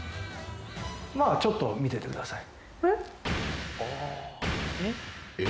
まあちょっと見ててください。